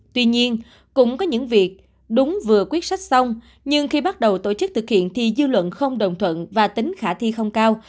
tuy nhiên cũng có những việc đúng vừa quyết sách xong nhưng khi bắt đầu tổ chức thực hiện thì dư luận không đồng thuận và tính khả thi không cao